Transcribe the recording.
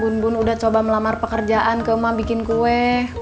bun bun udah coba melamar pekerjaan ke umam bikin kue